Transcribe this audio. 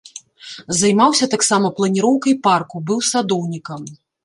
Займаўся таксама планіроўкай парку, быў садоўнікам.